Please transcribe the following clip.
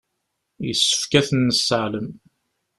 Yessefk ad ten-nesseɛlem.